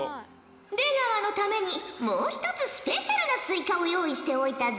出川のためにもう一つスペシャルなスイカを用意しておいたぞ！